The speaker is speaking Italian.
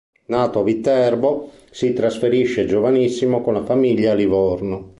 Nato a Viterbo, si trasferisce giovanissimo con la famiglia a Livorno.